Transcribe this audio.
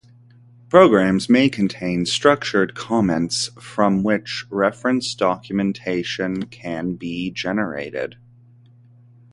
Programs may contain structured comments from which reference documentation can be generated.